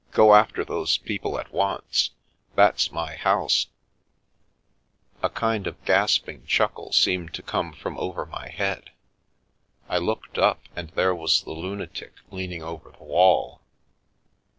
Go after those people at once ! That's my house 1" A kind of gasping chuckle seemed to come from over my head — I looked up, and there was the lunatic lean ing over the wall.